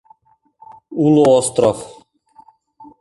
Уло остров.